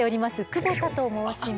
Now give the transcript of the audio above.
久保田と申します。